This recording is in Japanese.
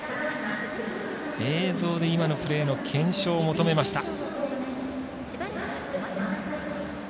映像で今のプレーの検証を求めました。